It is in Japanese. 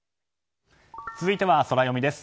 続いてはソラよみです。